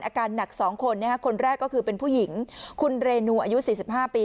อาการหนัก๒คนคนแรกก็คือเป็นผู้หญิงคุณเรนูอายุ๔๕ปี